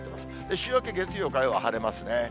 週明け月曜、火曜は晴れますね。